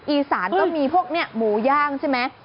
อีสานก็มีพวกนี้หมูย่างใช่ไหม